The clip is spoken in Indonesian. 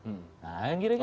nah kira kira gitu